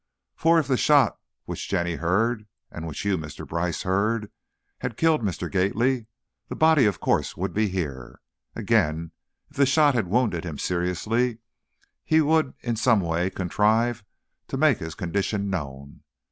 For, if the shot which Jenny heard, and which you, Mr. Brice, heard, had killed Mr. Gately, the body, of course, would be here. Again, if the shot had wounded him seriously, he would in some way contrive to make his condition known.